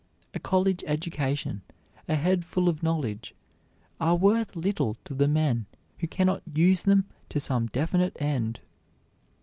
A college education, a head full of knowledge, are worth little to the men who cannot use them to some definite end.